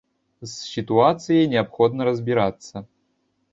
З сітуацыяй неабходна разбірацца.